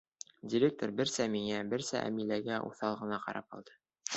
— Директор берсә миңә, берсә Әмиләгә уҫал ғына ҡарап алды.